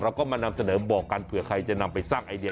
เราก็มานำเสนอบอกกันเผื่อใครจะนำไปสร้างไอเดีย